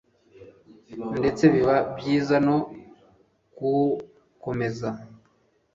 ndetse biba byiza no kuwukomeza